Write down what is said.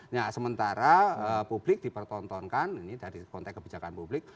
nah sementara publik dipertontonkan ini dari konteks kebijakan publik